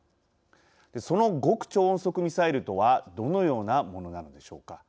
その極超音速ミサイルとはどのようなものなのでしょうか。